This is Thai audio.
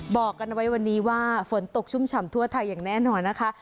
บอกกันไว้วันนี้ว่าฝนตกชุ่มฉ่ำทั่วไทยอย่างแน่นอนนะคะ